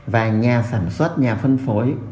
và nhà sản xuất nhà phân phối